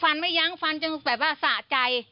ไม่ยั้งฟันจนแบบว่าสะใจ